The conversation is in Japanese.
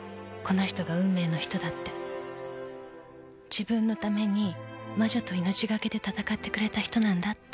自分のために魔女と命懸けで戦ってくれた人なんだって